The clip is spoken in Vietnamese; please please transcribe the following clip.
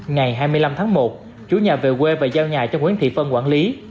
ngày hai mươi năm tháng một chủ nhà về quê và giao nhà cho nguyễn thị phân quản lý